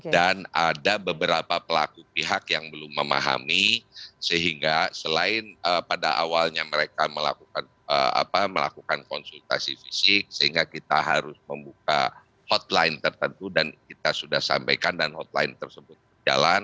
dan ada beberapa pelaku pihak yang belum memahami sehingga selain pada awalnya mereka melakukan konsultasi fisik sehingga kita harus membuka hotline tertentu dan kita sudah sampaikan dan hotline tersebut berjalan